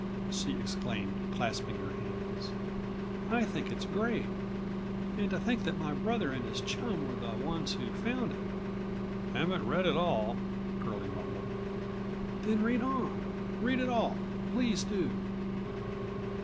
she exclaimed, clasping her hands. "I think it's great! And to think116 that my brother and his chum were the ones who found it!" "Haven't read it all," Curlie mumbled. "Then read on. Read it all. Please do."